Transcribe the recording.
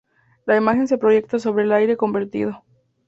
La imagen se proyecta sobre el aire convertido.